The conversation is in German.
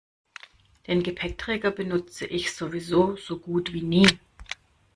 Den Gepäckträger benutze ich sowieso so gut wie nie.